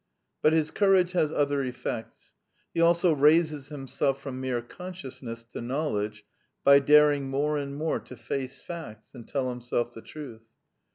But his courage has other effects : he also raises him self from mere consciousness to knowledge by daring more and more to face facts and tell him self the truth.